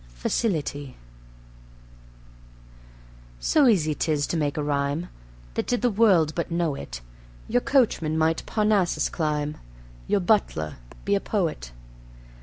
Facility So easy 'tis to make a rhyme, That did the world but know it, Your coachman might Parnassus climb, Your butler be a poet.